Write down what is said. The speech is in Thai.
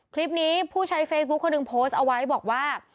คลิปนี้ผู้ใช้เฟซบุ๊คคนหนึ่งโพสต์เอาไว้บอกว่า